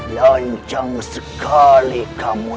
lancang sekali kamu